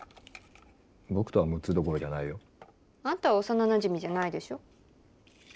僕とは６つどころじゃないよ。あんたは幼なじみじゃないでしょ。